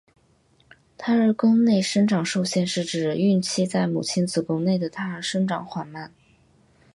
胎儿宫内生长受限是指孕期在母亲子宫内的胎儿生长缓慢。